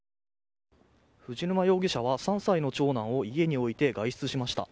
藤沼容疑者は、３歳の長男を家に置いて外出しました。